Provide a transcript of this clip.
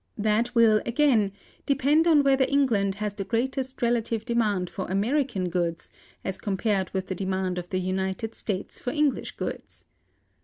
That will, again, depend on whether England has the greatest relative demand for American goods, as compared with the demand of the United States for English goods.